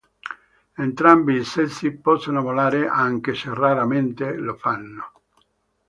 Entrambi i sessi possono volare, anche se raramente lo fanno.